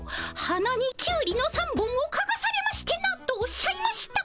「鼻にキュウリの３本をかがされましてな」とおっしゃいました。